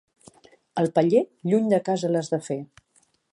El paller, lluny de casa l'has de fer.